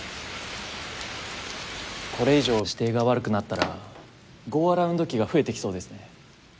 これ以上視程が悪くなったらゴーアラウンド機が増えてきそうですね。